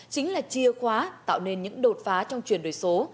chính là chia khóa tạo nên những đột phá trong chuyển đổi số